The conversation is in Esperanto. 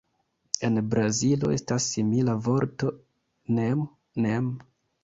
En Brazilo, estas simila vorto "nem-nem".